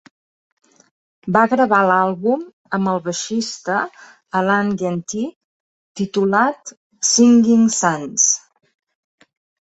Va gravar l'àlbum amb el baixista Alain Genty, titulat "Singing Sands".